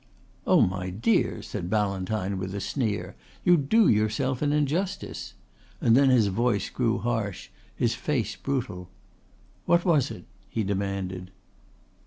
"Oh, my dear," said Ballantyne with a sneer, "you do yourself an injustice," and then his voice grew harsh, his face brutal. "What was it?" he demanded.